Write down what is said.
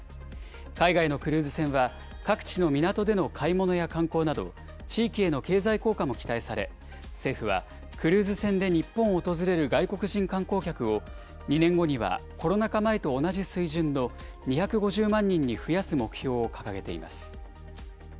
海外のクルーズ船は、各地の港での買い物や観光など、地域への経済効果も期待され、政府はクルーズ船で日本を訪れる外国人観光客を、２年後にはコロナ禍前と同じ水準の２５０万人に増やす目標を掲げています。